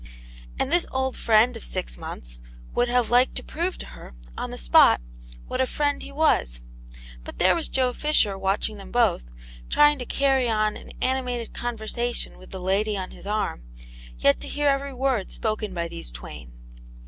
And this old friend of six months would have liked to prove to her, on the spot, viVvaX ^ Vu^tA V^ ^^^^ ^h IZ Aunt Jane's Hero. But there was Joe Fisher watching them both, tiy ing to carry on an animated conversation with the lady on his arm, yet to hear every word spoken by these twain.